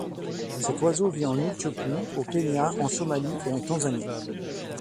Cet oiseau vit en Éthiopie, au Kenya, en Somalie et en Tanzanie.